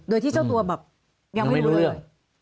โดยที่เจ้าตัวแบบยังไม่รู้เลย